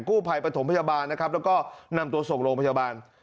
กู้ภัยประถมพยาบาลนะครับแล้วก็นำตัวส่งโรงพยาบาล